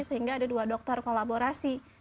sehingga ada dua dokter kolaborasi